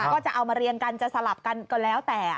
ก็จะเอามาเรียงกันจะสลับกันก็แล้วแต่